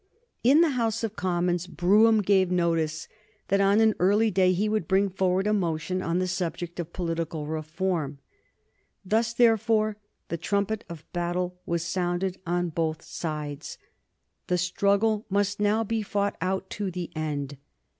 In the House of Commons Brougham gave notice that on an early day he would bring forward a motion on the subject of political reform. Thus, therefore, the trumpet of battle was sounded on both sides. The struggle must now be fought out to the end.